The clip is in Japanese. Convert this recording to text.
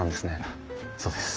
そうです。